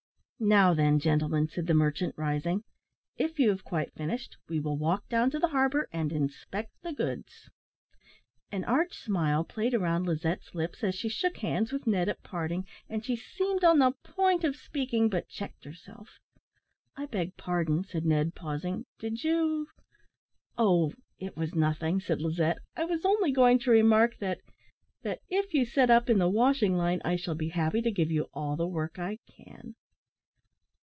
"Now, then, gentlemen," said the merchant, rising, "if you have quite finished, we will walk down to the harbour and inspect the goods." An arch smile played round Lizette's lips as she shook hands with Ned at parting, and she seemed on the point of speaking, but checked herself. "I beg pardon," said Ned, pausing, "did you " "Oh, it was nothing!" said Lizette; "I was only going to remark that that if you set up in the washing line, I shall be happy to give you all the work I can."